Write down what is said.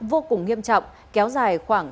vô cùng nghiêm trọng kéo dài khoảng